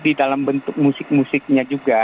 di dalam bentuk musik musiknya juga